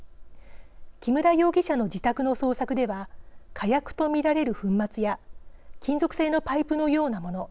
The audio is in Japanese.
木村容疑者の自宅の捜索では火薬と見られる粉末や金属製のパイプのようなもの